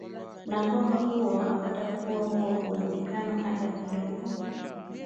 na kwamba huo hapatakuwa huo uwezekano hata kidogo